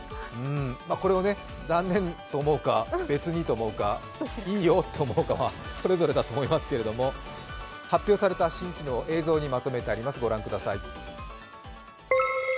これを残念と思うか、別にと思うかいいよと思うからそれぞれだと思いますけれども、発表された新機能を映像にまとめてあります。